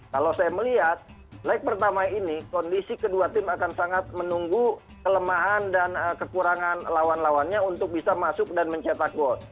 kalau saya melihat leg pertama ini kondisi kedua tim akan sangat menunggu kelemahan dan kekurangan lawan lawannya untuk bisa masuk dan mencetak gol